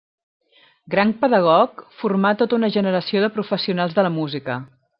Gran pedagog, formà tota una generació de professionals de la música.